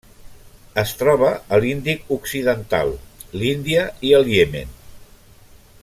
Es troba a l'Índic occidental: l'Índia i el Iemen.